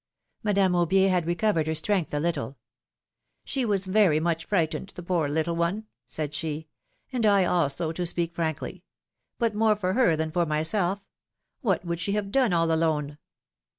Madame Aubier had recovered her strength a little. ^'She was very much frightened, the poor little one," said she, ^^and I also, to speak frankly; but more for philom^:ne's marriages. 153 her than for myself. What would she have done all alone?